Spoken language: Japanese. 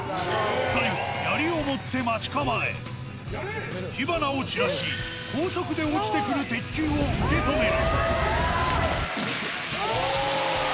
２人はやりを持って待ち構え、火花を散らし、高速で落ちてくる鉄球を受け止める。